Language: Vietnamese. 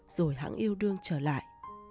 rồi hãng yêu đương trở lại